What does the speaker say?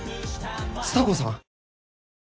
蔦子さん